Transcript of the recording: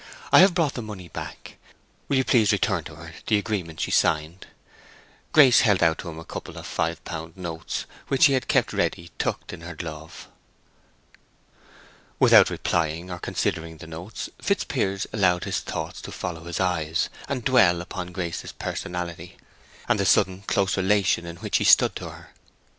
I have brought the money back—will you please return to her the agreement she signed?" Grace held out to him a couple of five pound notes which she had kept ready tucked in her glove. Without replying or considering the notes, Fitzpiers allowed his thoughts to follow his eyes, and dwell upon Grace's personality, and the sudden close relation in which he stood to her.